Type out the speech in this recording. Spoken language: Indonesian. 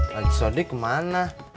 lagi sordi kemana